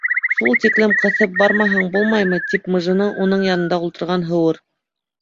—Шул тиклем ҡыҫып бармаһаң булмаймы? —тип мыжыны уның янында ултырған Һыуыр.